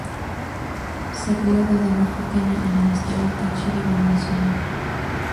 Se crio desde muy pequeña en el Estado Táchira, Venezuela.